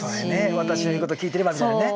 私の言うこと聞いてればみたいなね。